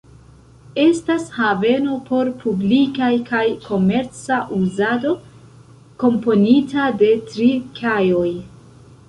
Estas haveno por publikaj kaj komerca uzado, komponita de tri kajoj.